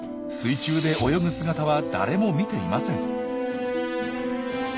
水中で泳ぐ姿は誰も見ていません。